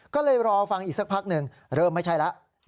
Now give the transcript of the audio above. ก็เลยรอฟังอีกสักพักหนึ่งเริ่มไม่ใช่แล้ว